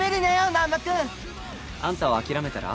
難破君！あんたは諦めたら？